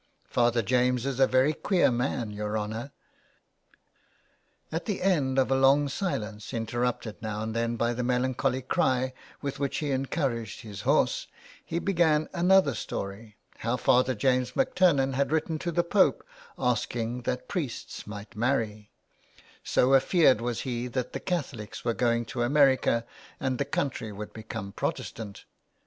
Father James is a very queer man, your honour." At the end of a long silence, interrupted now and then by the melancholy cry with which he encouraged his horse, he began another story, how Father James McTurnan had written to the Pope 238 A PLAY HOUSE IN THE WASTE. asking that the priests might marry, " so afeard was he that the Catholics were going to America and the country would become Protestant.